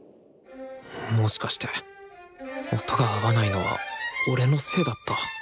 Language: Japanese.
もしかして音が合わないのは俺のせいだった？